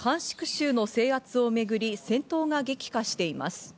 州の制圧をめぐり戦闘が激化しています。